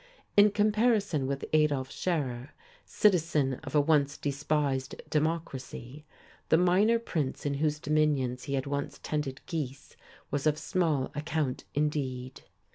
In comparison with Adolf Scherer, citizen of a once despised democracy, the minor prince in whose dominions he had once tended geese was of small account indeed!